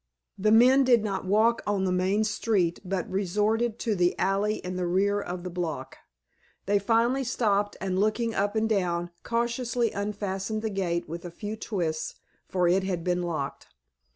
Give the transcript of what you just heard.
The men did not walk on the main street but resorted to the alley in the rear of the block. They finally stopped and looking up and down, cautiously unfastened the gate with a few twists, for it had been locked.